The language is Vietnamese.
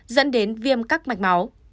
dẫn đến viêm các mạch máu